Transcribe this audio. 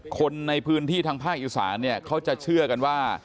คนในพื้นที่ทางภาคอีสานเนี่ยเขาจะเชื่อกันว่า